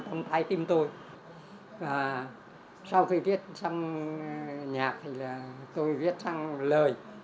sau khi viết sang nhạc thì tôi viết sang lời